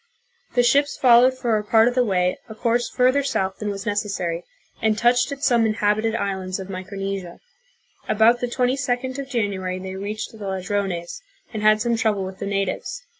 The ships followed for a part of the way a course further south than was necessary, and touched at some inhabited islands of Micronesia. About the 22d of January they reached the Ladrones and had some trouble with the natives.